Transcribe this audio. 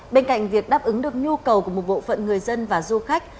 bên cạnh việc đáp ứng được nhu cầu của một bộ phận người dân và du khách